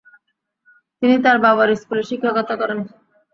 তিনি তার বাবার স্কুলে শিক্ষকতা করেন।